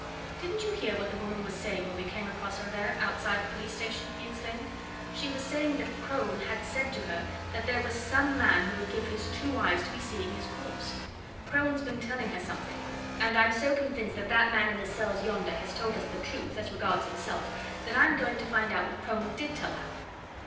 "Didn't you hear what the woman was saying when we came across her there outside the police station?" he exclaimed. "She was saying that Crone had said to her that there was some man who would give his two eyes to be seeing his corpse! Crone's been telling her something. And I'm so convinced that that man in the cells yonder has told us the truth, as regards himself, that I'm going to find out what Crone did tell her.